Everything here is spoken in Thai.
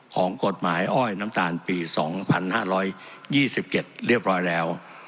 ของกฎหมายอ้อยน้ำตาลปี๒๕๒๗เรียบร้อยแล้ว